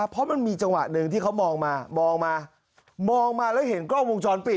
เพราะมันมีจังหวะหนึ่งที่เขามองมามองมามองมาแล้วเห็นกล้องวงจรปิด